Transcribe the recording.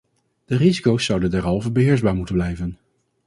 De risico's zouden derhalve beheersbaar moeten blijven.